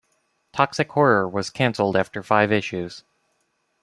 'Toxic Horror was cancelled after five issues.